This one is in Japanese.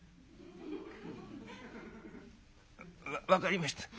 「わっ分かりました。